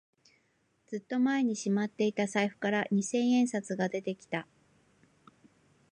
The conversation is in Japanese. ずっと前にしまっていた財布から二千円札が出てきた